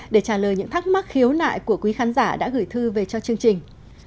để trả lời những thắc mắc khiếu nại của quý khán giả đã gửi thư về cho chương trình